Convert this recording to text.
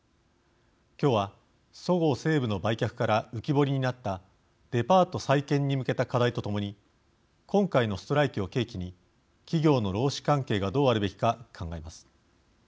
今日は、そごう・西武の売却から浮き彫りになったデパート再建に向けた課題とともに今回のストライキを契機に企業の労使関係がどうあるべきか、考えます。